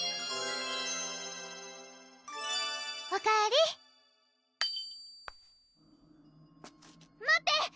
おかえり待って！